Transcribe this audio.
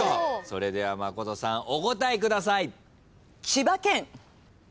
それでは真琴さんお答えください。